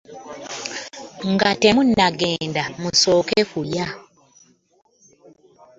Nga temunnagenda musooke kulya.